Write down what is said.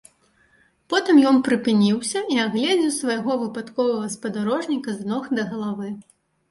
Потым ён прыпыніўся і агледзеў свайго выпадковага спадарожніка з ног да галавы.